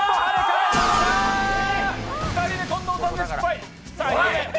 ２人目、近藤さんで失敗。